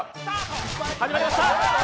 始まりました！